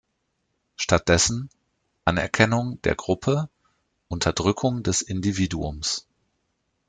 Stattdessen: Anerkennung der Gruppe, Unterdrückung des Individuums.